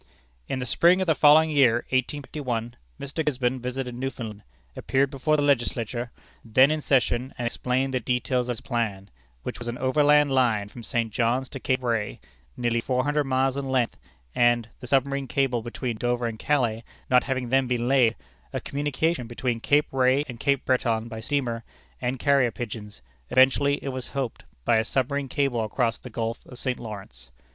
"In the spring of the following year (1851), Mr. Gisborne visited Newfoundland, appeared before the Legislature, then in session, and explained the details of his plan, which was an overland line from St. John's to Cape Ray, nearly four hundred miles in length, and (the submarine cable between Dover and Calais not having then been laid) a communication between Cape Ray and Cape Breton by steamer and carrier pigeons, eventually, it was hoped, by a submarine cable across the Gulf of St. Lawrence.